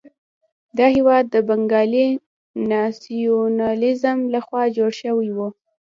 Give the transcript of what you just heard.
دا هېواد د بنګالي ناسیونالېزم لخوا جوړ شوی وو.